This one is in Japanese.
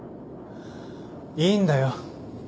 いいんだよ。